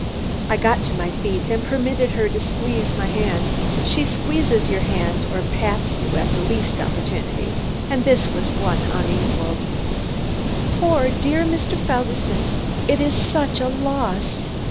I got to my feet and permitted her to squeeze my hand. She squeezes your hand or pats you at the least opportunity, and this one was unequaled. "Poor, dear Mr. Felderson. It is such a loss.